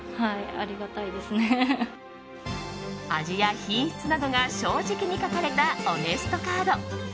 味や品質などが正直に書かれたオネストカード。